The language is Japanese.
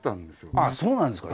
ああそうなんですか。